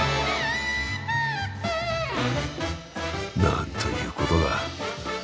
なんということだ。